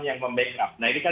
yang mem backup nah ini kan